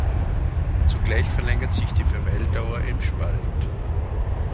Zugleich verlängert sich die Verweildauer im Spalt.